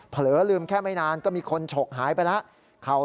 เหลือลืมแค่ไม่นานก็มีคนฉกหายไปแล้ว